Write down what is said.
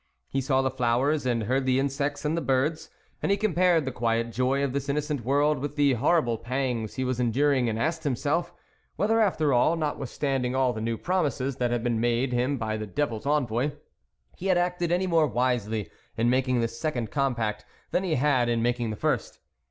He saw the flowers, and heard the insects and the birds, and he compared the quiet joy of this innocent world with the horrible pangs he was enduring, and asked himself, whether after all, notwith standing all the new promises that had been made him by the devil's envoy, he had acted any more wisely in making this second compact than he had in making the first.